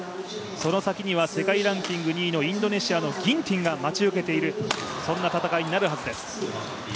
その先には世界ランキング２位のインドネシアの選手が待ち受けているそんな戦いになるはずです。